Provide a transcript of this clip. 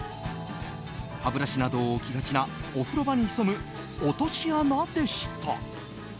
歯ブラシなどを置きがちなお風呂場に潜む落とし穴でした。